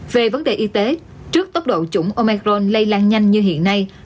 về vấn đề y tế trước tốc độ chủng omer lây lan nhanh như hiện nay